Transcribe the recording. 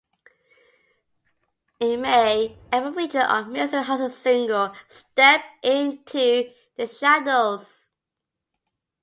In May, Elba featured on Mr Hudson's single "Step Into the Shadows".